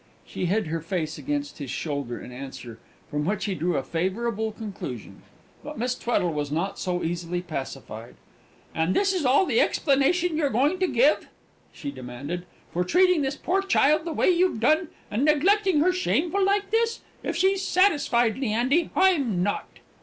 She hid her face against his shoulder, in answer, from which he drew a favourable conclusion; but Miss Tweddle was not so easily pacified. "And is this all the explanation you're going to give," she demanded, "for treating this poor child the way you've done, and neglecting her shameful like this? If she's satisfied, Leandy, I'm not."